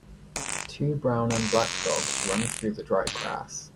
Two brown and black dogs run through the dry grass.